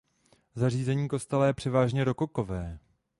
Zařízení kostela je převážně rokokové.